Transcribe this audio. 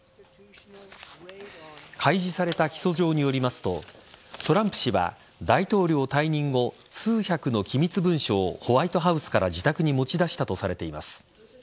開示された起訴状によりますとトランプ氏は大統領退任後数百の機密文書をホワイトハウスから自宅に持ち出したとされています。